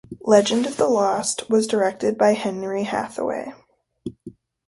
"Legend of the Lost" was directed by Henry Hathaway.